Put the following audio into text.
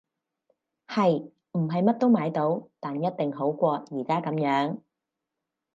係！唔係乜都買到，但一定好過而家噉樣